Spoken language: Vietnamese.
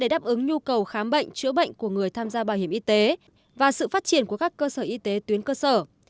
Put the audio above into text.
cầu khám bệnh chữa bệnh của người tham gia bảo hiểm y tế và sự phát triển của các cơ sở y tế tuyến cơ sở